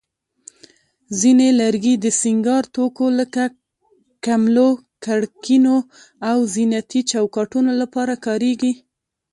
ځینې لرګي د سینګار توکو لکه کملو، کړکینو، او زینتي چوکاټونو لپاره کارېږي.